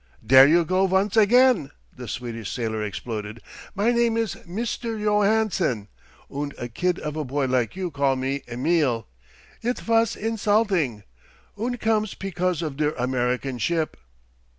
"Dere you go vonce again!" the Swedish sailor exploded. "My name is Mister Johansen, und a kid of a boy like you call me 'Emil!' It vas insulting, und comes pecause of der American ship!"